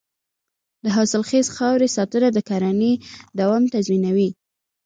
د حاصلخیزې خاورې ساتنه د کرنې دوام تضمینوي.